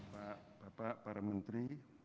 bapak bapak para menteri